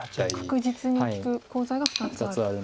確実に利くコウ材が２つある。